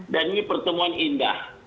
dan ini pertemuan indah